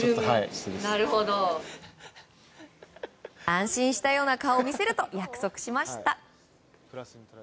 安心したような顔を見せると約束しました。